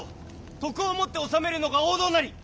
徳をもって治めるのが王道なり！